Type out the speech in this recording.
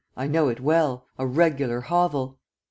"I know it well; a regular hovel."